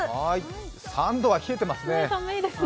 ３度は冷えてますね。